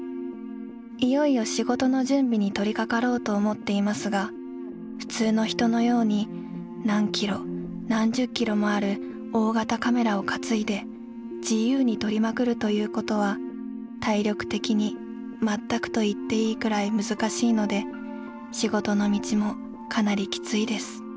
いよいよ仕事の準備にとりかかろうと思っていますが普通の人のように何キロ何十キロもある大型カメラをかついで自由に撮りまくるということは体力的に全くといっていいくらいむずかしいので仕事の道もかなりきついです。